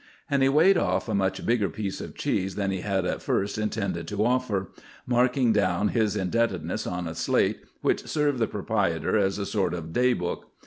And he weighed off a much bigger piece of cheese than he had at first intended to offer, marking down his indebtedness on a slate which served the proprietor as a sort of day book.